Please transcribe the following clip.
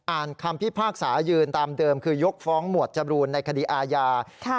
คำพิพากษายืนตามเดิมคือยกฟ้องหมวดจบรูนในคดีอาญา